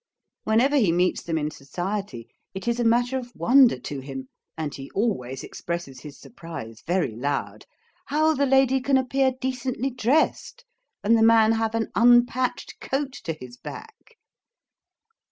Whenever he meets them in society, it is a matter of wonder to him (and he always expresses his surprise very loud) how the lady can appear decently dressed, and the man have an unpatched coat to his back.